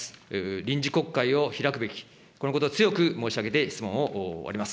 臨時国会を開くべき、このことを強く申し上げて質問を終わります。